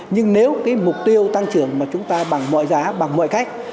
nhưng nếu cái mục tiêu tăng trưởng mà chúng ta bằng mọi giá bằng mọi cách